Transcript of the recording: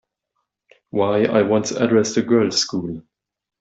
Why, I once addressed a girls' school.